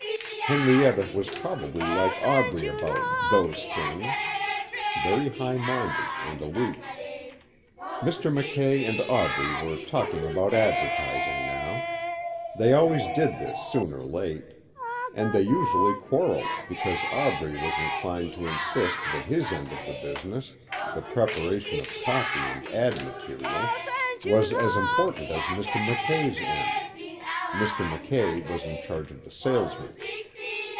Henrietta was probably like Aubrey about "those things". Very high minded and aloof. Mr. Mackay and Aubrey were talking about advertising now. They always did this soon or late. And they usually quarreled because Aubrey was inclined to insist that his end of the business the preparation of copy and ad. material was as important as Mr. Mackay's end. Mr. Mackay was in charge of the salesmen.